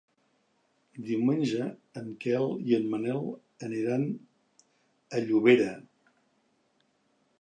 Diumenge en Quel i en Manel aniran a Llobera.